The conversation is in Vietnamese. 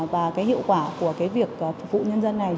và hiệu quả của việc phục vụ nhân dân này